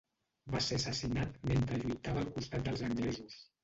Va ser assassinat mentre lluitava al costat dels anglesos.